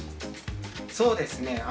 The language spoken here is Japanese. そうですね